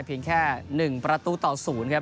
เพียงแค่๑ประตูต่อ๐ครับ